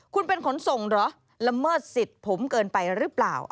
คุณเป็นขนส่งเหรอละเมิดสิทธิ์ผมเกินไปหรือเปล่า